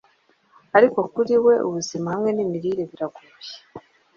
Ariko kuri we ubuzima hamwe nimirire biragoye